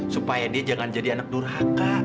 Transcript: supaya dia jangan jadi anak durhaka